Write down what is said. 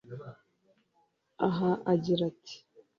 Aha agira ati